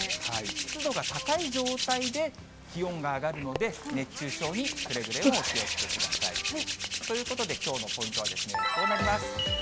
湿度が高い状態で気温が上がるので、熱中症にくれぐれもお気をつけください。ということできょうのポイントはこうなります。